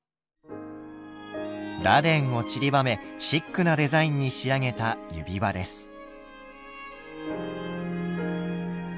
螺鈿をちりばめシックなデザインに仕上げた指輪です。